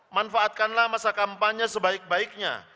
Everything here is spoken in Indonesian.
manfaatkanlah masa kampanye sebaik baiknya